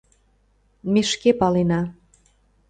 — Ме шке палена.